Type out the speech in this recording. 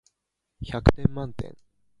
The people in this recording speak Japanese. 百点満点